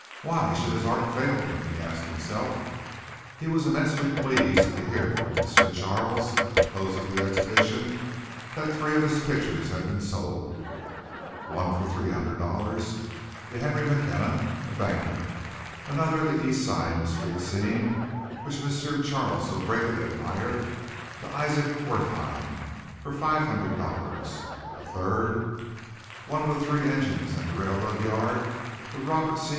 Why should his art fail him? he asked himself. He was immensely pleased to hear from M. Charles at the close of the exhibition that three of his pictures had been sold one for three hundred dollars to Henry McKenna, a banker; another, the East Side street scene which M. Charles so greatly admired, to Isaac Wertheim, for five hundred dollars; a third, the one of the three engines and the railroad yard, to Robert C.